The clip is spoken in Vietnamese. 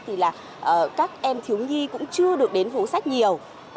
thì là các em thiếu nhi cũng chưa được đến phố sách nhiều